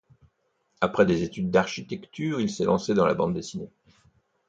Après des études d'architecture, il s'est lancé dans la bande dessinée.